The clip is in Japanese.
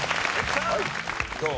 どう？